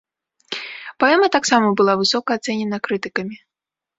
Паэма таксама была высока ацэнена крытыкамі.